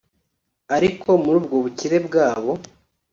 Ariko muri ubwo bukire bwabo